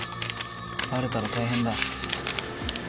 バレたら大変だ。